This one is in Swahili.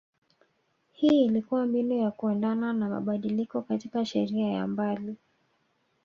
hii ilikua mbinu ya kuendana na mabadiliko katika sheria ya mbali